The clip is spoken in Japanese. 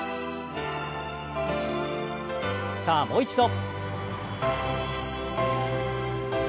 さあもう一度。